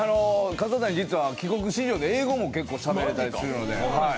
笠谷、実は帰国子女で英語も結構しゃべれたりするので。